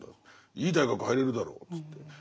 「いい大学入れるだろ」っつって。